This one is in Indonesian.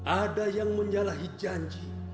ada yang menyalahi janji